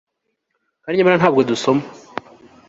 Kandi nyamara ntabwo dusoma